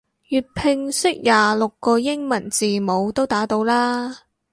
粵拼識廿六個英文字母都打到啦